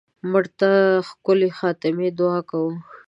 مړه ته د ښکلې خاتمې دعا کوو